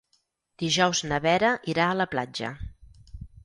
Dijous na Vera irà a la platja.